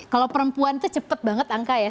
kalau perempuan itu cepat banget angka ya